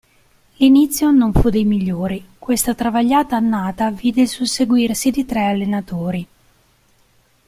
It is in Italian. L'inizio non fu dei migliori: questa travagliata annata vide il susseguirsi di tre allenatori.